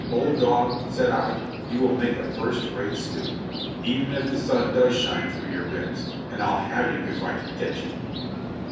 'Old dog,' said I, 'you will make a first rate stew, even if the sun does shine through your ribs, and I'll have you if I can get you.'